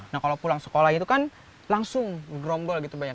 nah kalau pulang sekolah itu kan langsung grombol gitu banyak